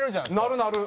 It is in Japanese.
なるなる！